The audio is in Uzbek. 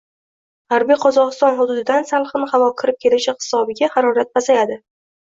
G‘arbiy Qozog‘iston hududidan salqin havo kirib kelishi hisobiga harorat pasayadi